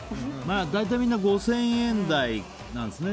大体みんな５０００円台なんですね。